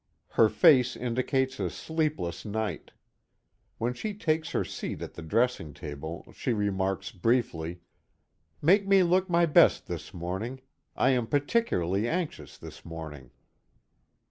Her face indicates a sleepless night. When she takes her seat at the dressing table, she remarks briefly: "Make me look my best this morning. I am particularly anxious this morning."